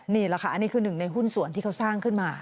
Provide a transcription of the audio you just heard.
นี่แหละค่ะอันนี้คือหนึ่งในหุ้นส่วนที่เขาสร้างขึ้นมา